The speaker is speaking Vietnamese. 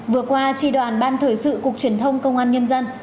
vừa qua tri đoàn ban thời sự cục truyền thông công an nhân dân